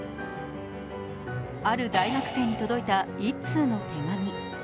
ある大学生に届いた１通の手紙。